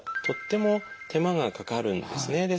とっても手間がかかるんですね。